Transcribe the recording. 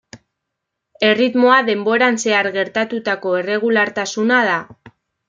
Erritmoa denboran zehar gertatutako erregulartasuna da.